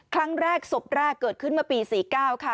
ครั้งแรกศพแรกเกิดขึ้นเมื่อปี๔๙ค่ะ